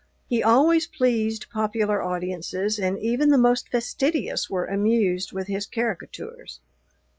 He always pleased popular audiences, and even the most fastidious were amused with his caricatures.